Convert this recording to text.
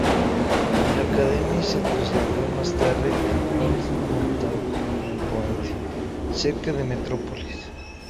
La Academia se trasladó más tarde a Old Montauk Point, cerca de Metrópolis.